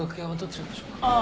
ああ。